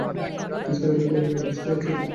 নিসার আলি বললেন, অতসী আছে?